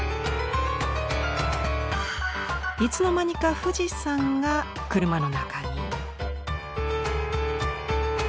いつの間にか富士山が車の中に。